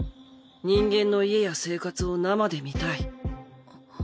人間の家や生活を生で見たい。